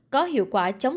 của biến thể này